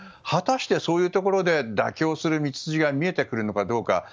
果たしてそういうところで妥協する道筋が見えてくるのかどうか。